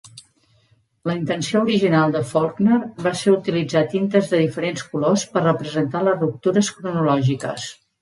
La intenció original de Faulkner va ser utilitzar tintes de diferents colors per representar les ruptures cronològiques.